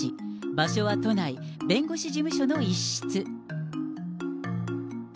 場所は都内、弁護士事務所の一室。